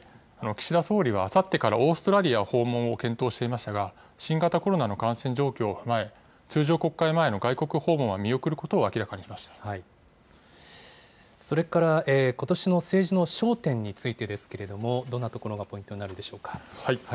岸田総理はあさってからオーストラリア訪問を検討していましたが、新型コロナの感染状況を踏まえ、通常国会前の外国訪問は見それからことしの政治の焦点についてですけれども、どんなところがポイントとなるでしょうか。